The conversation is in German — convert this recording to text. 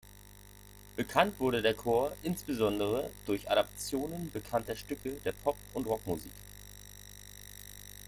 Bekannt wurde der Chor insbesondere durch Adaptionen bekannter Stücke der Pop- und Rockmusik.